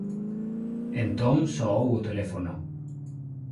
Entón soou o teléfono.